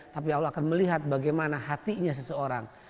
tapi allah akan melihat bagaimana hatinya seseorang